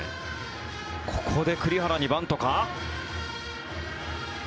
ここで栗原にバントか？